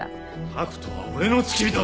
拓斗は俺の付き人だ！